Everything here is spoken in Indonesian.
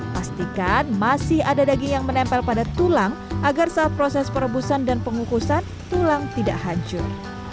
pastikan masih ada daging yang menempel pada tulang agar saat proses perebusan dan pengukusan tulang tidak hancur